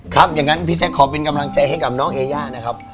อย่างนั้นพี่แจ๊คขอเป็นกำลังใจให้กับน้องเอย่านะครับ